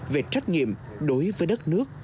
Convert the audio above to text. về trách nhiệm đối với đất nước